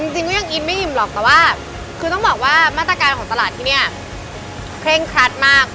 จริงก็ยังอินไม่อิ่มหรอกแต่ว่าคือต้องบอกว่ามาตรการของตลาดที่เนี่ยเคร่งครัดมาก